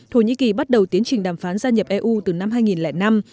thổ nhĩ kỳ bắt đầu tiến trình đàm phán gia nhập eu từ năm hai nghìn năm